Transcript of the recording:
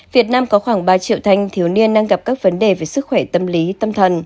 việt nam có khoảng ba triệu thanh thiếu niên đang gặp các vấn đề về sức khỏe tâm lý tâm thần